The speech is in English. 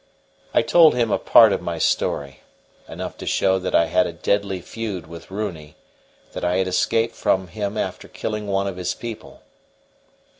I told him a part of my story enough to show that I had a deadly feud with Runi, that I had escaped from him after killing one of his people.